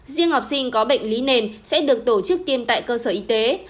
riêng học sinh có bệnh lý nền sẽ được tổ chức tiêm tại cơ sở y tế